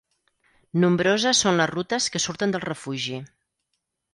Nombroses són les rutes que surten del refugi.